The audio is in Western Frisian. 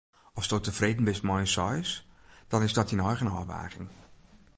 Asto tefreden bist mei in seis, dan is dat dyn eigen ôfwaging.